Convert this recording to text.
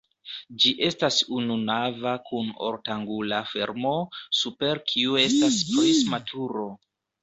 Ĝi estas ununava kun ortangula fermo, super kiu estas prisma turo.